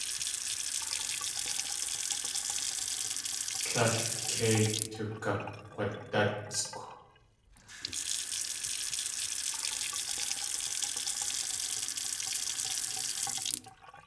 Tlél kei tukakg̲wadáskw.